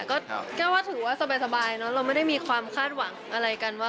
ก็แก้วว่าถือว่าสบายเนอะเราไม่ได้มีความคาดหวังอะไรกันว่า